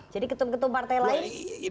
jadi ketum ketum partai lain